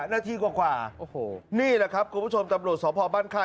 นาทีกว่าโอ้โหนี่แหละครับคุณผู้ชมตำรวจสพบ้านค่าย